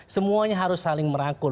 semuanya harus saling merangkul